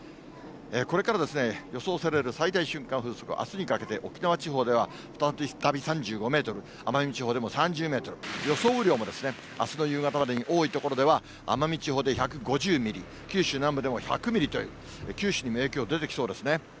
これからですね、予想される最大瞬間風速、あすにかけて沖縄地方では、再び３５メートル、奄美地方でも３０メートル、予想雨量もあすの夕方までに多い所では、奄美地方で１５０ミリ、九州南部でも１００ミリという、九州にも影響出てきそうですね。